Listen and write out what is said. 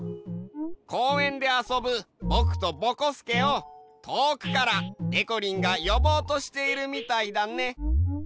こうえんであそぶぼくとぼこすけをとおくからでこりんがよぼうとしているみたいだね。